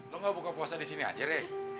lo nggak buka puasa di sini aja rek